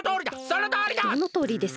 そのとおりだ！